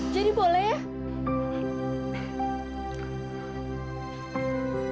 jadi boleh ya